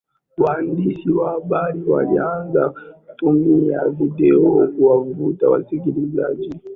waandishi wa habari walianza kutumia video kuwavutia wasikilizaji